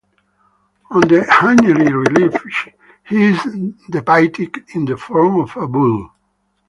On the Hanyeri relief he is depicted in the form of a bull.